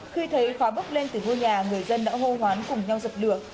khi thấy khóa bốc lên từ ngôi nhà người dân đã hô hoán cùng nhau dập lược